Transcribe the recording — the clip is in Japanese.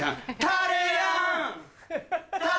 タレやん！